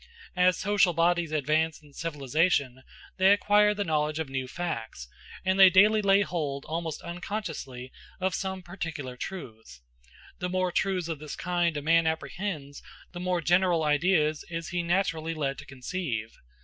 As social bodies advance in civilization, they acquire the knowledge of new facts, and they daily lay hold almost unconsciously of some particular truths. The more truths of this kind a man apprehends, the more general ideas is he naturally led to conceive.